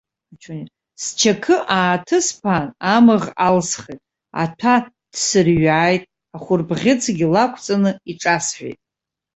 Счақы ааҭысԥаан, амыӷ алсхит, аҭәа ҭсырҩааит, ахәырбӷьыцгьы лақәҵаны иҿасҳәеит.